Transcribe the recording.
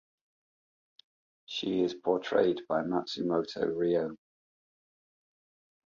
She is portrayed by Matsumoto Rio.